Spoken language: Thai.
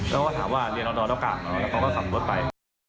แล้วก็ถามว่าเดี๋ยวรอดอแล้วกล่างแล้วก็กลับรถไป